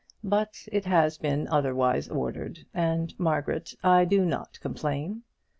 But it has been otherwise ordered, and, Margaret, I do not complain.